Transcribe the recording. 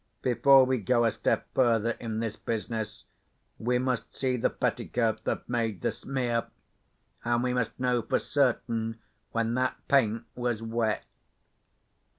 Before we go a step further in this business we must see the petticoat that made the smear, and we must know for certain when that paint was wet."